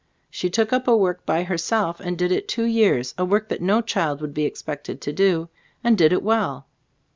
She took up a work by herself and did it two years, a work that no child would be expected to do, and did it well.